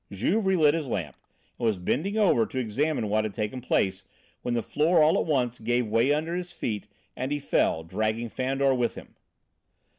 Juve relit his lamp and was bending over to examine what had taken place when the floor all at once gave way under his feet and he fell, dragging Fandor with him.